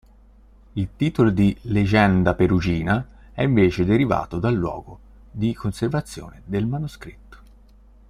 Il titolo di "Legenda perugina" è invece derivato dal luogo di conservazione del manoscritto.